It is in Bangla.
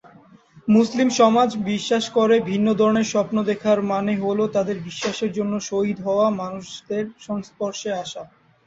মুসলিম সমাজ বিশ্বাস করে ভিন্ন ধরনের স্বপ্ন দেখার মানে হল, তাদের বিশ্বাসের জন্য শহীদ হওয়া, মানুষদের সংস্পর্শে আসা।